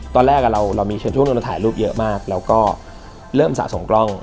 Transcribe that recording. ตอนแรกเรามีเชิญชั่วโทษต้องถ่ายรูปเยอะมากแล้วก็เริ่มสะสมกล้อง